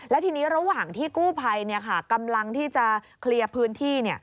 และทีนี้ระหว่างที่กู้ภัยกำลังที่จะเคลียร์พื้นที่